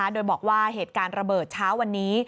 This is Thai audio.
โดยบอกว่าเหตุการณ์ระเบิดเช้าวันนี้